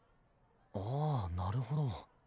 ああなるほど。